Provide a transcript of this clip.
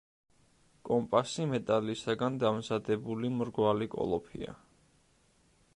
კომპასი მეტალისაგან დამზადებული მრგვალი კოლოფია.